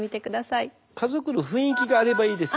家族の雰囲気があればいいですか？